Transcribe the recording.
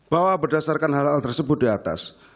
bahwa berdasarkan hal hal tersebut di atas